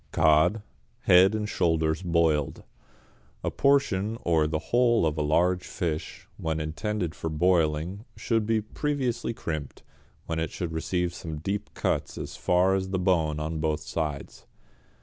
=Cod, Head and Shoulders Boiled.= A portion or the whole of a large fish, when intended for boiling, should be previously crimped, when it should receive some deep cuts as far as the bone on both sides.